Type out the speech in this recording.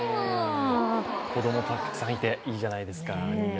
子供たくさんいていいじゃないですか。